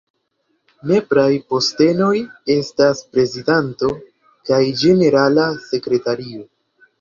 Nepraj postenoj estas prezidanto kaj ĝenerala sekretario.